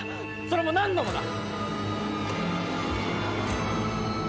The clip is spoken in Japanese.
それも何度もだ。